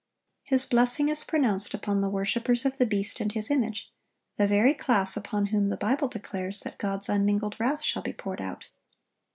His blessing is pronounced upon the worshipers of the beast and his image, the very class upon whom the Bible declares that God's unmingled wrath shall be poured out.